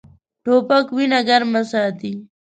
توپک وینه ګرمه ساتي.